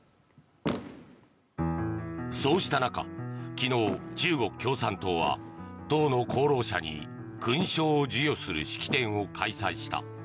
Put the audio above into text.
そうした中昨日、中国共産党は党の功労者に勲章を授与する式典を開催した。